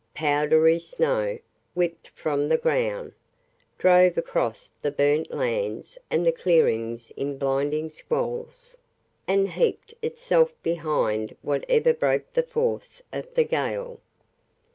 Powdery snow, whipped from the ground, drove across the burnt lands and the clearings in blinding squalls, and heaped itself behind whatever broke the force of the gale.